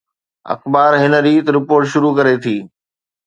اخبار هن ريت رپورٽ شروع ڪري ٿي